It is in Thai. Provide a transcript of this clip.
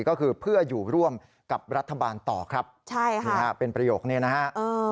ก็คือเพื่ออยู่ร่วมกับรัฐบาลต่อครับเป็นประโยคนี้นะฮะ